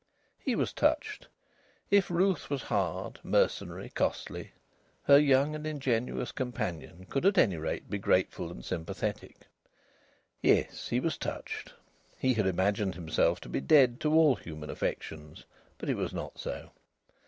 He was touched. If Ruth was hard, mercenary, costly, her young and ingenuous companion could at any rate be grateful and sympathetic. Yes, he was touched. He had imagined himself to be dead to all human affections, but it was not so.